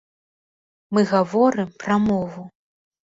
Мы гаворым пра мову.